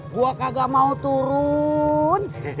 gua kagak mau turun